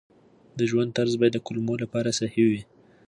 د ژوند طرز باید د کولمو لپاره صحي وي.